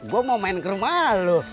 gue mau main ke rumah loh